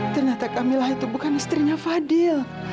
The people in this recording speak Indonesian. ternyata kamilah itu bukan istrinya fadil